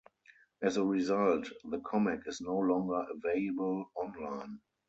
As a result, the comic is no longer available online.